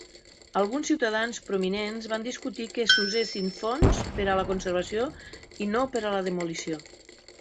Alguns ciutadans prominents van discutir que s'usessin fons pera a la conservació i no per a la demolició.